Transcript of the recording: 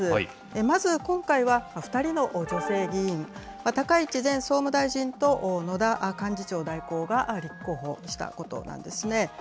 まず今回は、２人の女性議員、高市前総務大臣と野田幹事長代行が立候補したことなんですね。